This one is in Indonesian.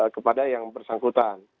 kepada yang bersangkutan